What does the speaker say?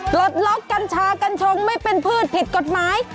ปลดล็อกกัญชากัญชงไม่เป็นพืชผิดกฎหมาย